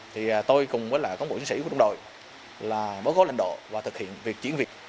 thì tôi cùng với lại công bộ chính sĩ của đồng đội là bố gói lãnh đạo và thực hiện việc chuyển viện